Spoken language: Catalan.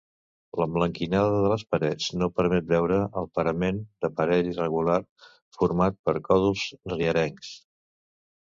L'emblanquinada de les parets no permet veure el parament, d'aparell irregular format per còdols rierencs.